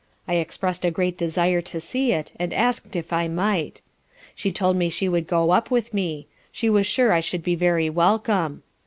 I express'd a great desire to see it, and ask'd if I might: She told me she would go up with me; she was sure I should be very welcome.